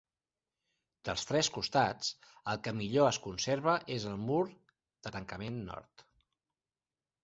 Dels tres costats el que millor es conserva és el mur de tancament nord.